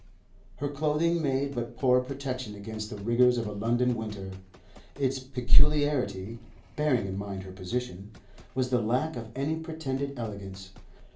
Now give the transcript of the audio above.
Her clothing made but poor protection against the rigours of a London winter. Its peculiarity (bearing in mind her position) was the lack of any pretended elegance.